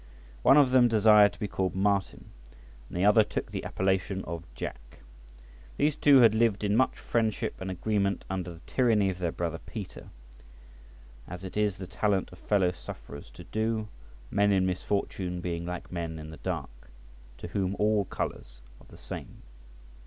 One of them desired to be called Martin, and the other took the appellation of Jack. These two had lived in much friendship and agreement under the tyranny of their brother Peter, as it is the talent of fellow sufferers to do, men in misfortune being like men in the dark, to whom all colours are the same.